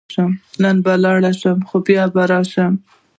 نن باید ولاړ شم، خو بیا به راشم.